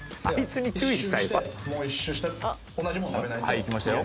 はいいきましたよ。